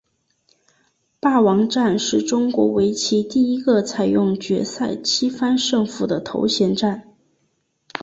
霸王战是中国围棋第一个采用决赛七番胜负的头衔战。